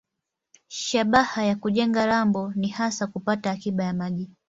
Shabaha ya kujenga lambo ni hasa kupata akiba ya maji.